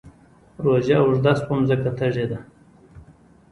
روژه اوږده شوه مځکه تږې ده